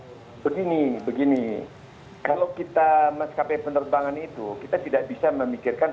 oh enggak begini begini kalau kita mas kapal penerbangan itu kita tidak bisa memikirkan